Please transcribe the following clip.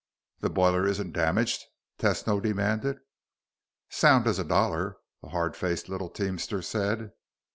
"The boiler isn't damaged?" Tesno demanded. "Sound as a dollar," the hard faced little teamster said.